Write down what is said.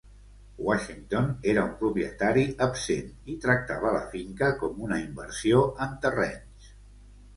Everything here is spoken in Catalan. Washington era un propietari absent i tractava la finca com una inversió en terrenys.